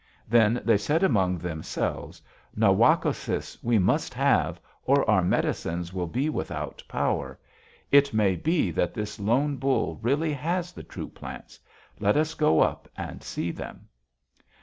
Then they said among themselves: 'Na wak´ o sis we must have or our medicines will be without power. It may be that this Lone Bull really has the true plants: let us go up and see them.'